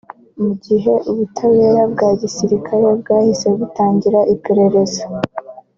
mu gihe ubutabera bwa Gisirikare bwahise butangira iperereza